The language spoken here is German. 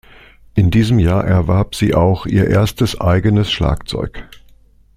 In diesem Jahr erwarb sie auch ihr erstes eigenes Schlagzeug.